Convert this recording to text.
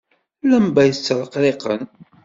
Lamba yettreqriqen.